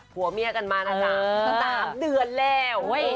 หัวเมียกันมาตั้งแต่๓เดือนแล้ว